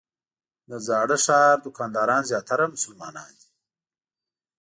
د زاړه ښار دوکانداران زیاتره مسلمانان دي.